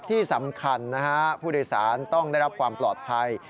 ที่สำคัญนะฮะผู้โดยสารต้องได้รับความปลอดภัย